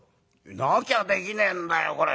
なきゃできねえんだよこれ。